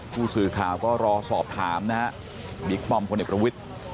ผู้สื่อข่าวก็รอสอบถามนะฮะบิ๊กฟอร์มคนเด็กประวิทย์